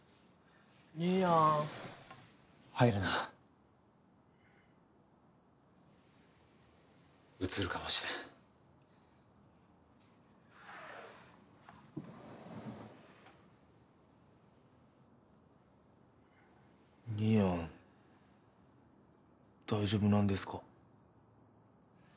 兄やん入るなうつるかもしれん兄やん大丈夫なんですか？